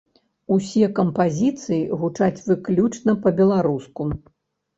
Усе кампазіцыі гучаць выключна па-беларуску.